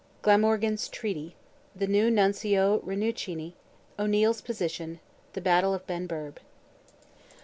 GLAMORGAN'S TREATY—THE NEW NUNCIO RINUCCINI—O'NEIL'S POSITION—THE BATTLE OF BENBURB.